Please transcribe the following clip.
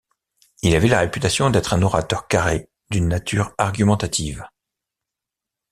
Il avait la réputation d'être un orateur carré d'une nature argumentative.